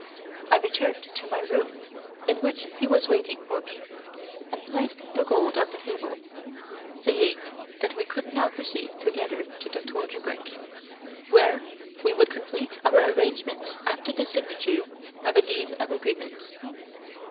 I returned to my room in which he was waiting for me, and placed the gold on the table, saying that we could now proceed together to the Tour du Grec, where we would complete our arrangements after the signature of a deed of agreement.